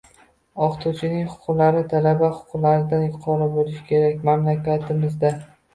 O'qituvchining huquqlari talaba huquqlaridan yuqori bo'lishi kerak Mamlakatimizda